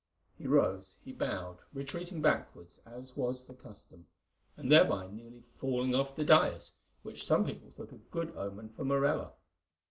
He rose, he bowed, retreating backwards as was the custom, and thereby nearly falling off the dais, which some people thought a good omen for Morella.